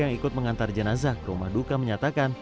yang ikut mengantar jenazah ke rumah duka menyatakan